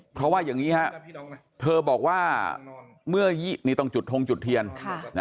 เพราะว่าอย่างนี้ฮะเธอบอกว่าเมื่อนี่ต้องจุดทงจุดเทียน